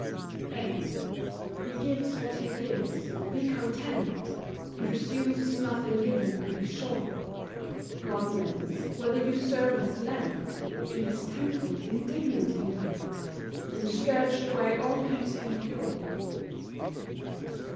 VIII. He gives what He gives. Be content! He resumes nothing given, be sure ! God lends ? Where the usurers lent In His temple, indignant He went And scourged away all those impure.